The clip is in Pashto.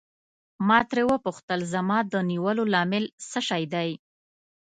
ما ترې وپوښتل زما د نیولو لامل څه شی دی.